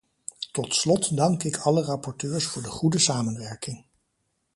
Tot slot dank ik alle rapporteurs voor de goede samenwerking.